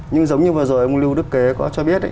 nhưng giống như vừa rồi ông lưu đức kế có cho biết